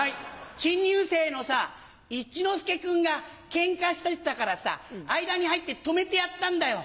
新入生のさ一之輔君がケンカしてたからさ間に入って止めてやったんだよ。